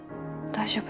大丈夫。